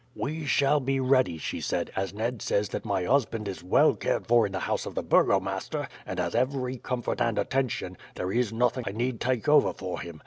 "'We shall be ready,' she said. 'As Ned says that my husband is well cared for in the house of the burgomaster, and has every comfort and attention, there is nothing I need take over for him.'